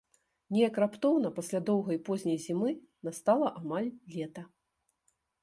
Неяк раптоўна пасля доўгай позняй зімы настала амаль лета.